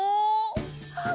あっ！